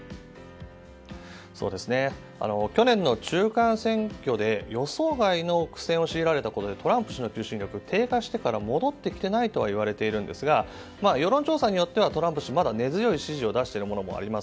去年の中間選挙で予想外の苦戦を強いられたことでトランプ氏の求心力は低下してから戻ってきていないといわれているんですが世論調査によってはまだ根強い指示を出しているものもあります。